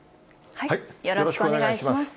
よろしくお願いします。